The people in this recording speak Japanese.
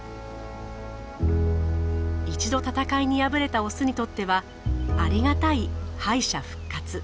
一度戦いに敗れたオスにとってはありがたい敗者復活。